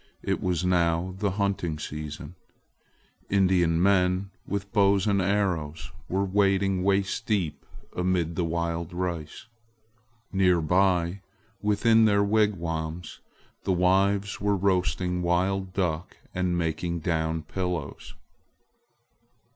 It was now the hunting season. Indian men, with bows and arrows, were wading waist deep amid the wild rice. Near by, within their wigwams, the wives were roasting wild duck and making down pillows.